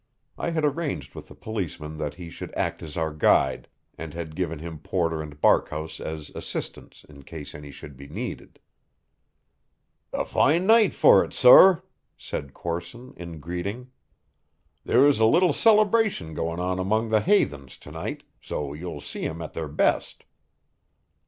I had arranged with the policeman that he should act as our guide, and had given him Porter and Barkhouse as assistants in case any should be needed. "A fine night for it, sor," said Corson in greeting. "There's a little celebration goin' on among the haythens to night, so you'll see 'em at their best."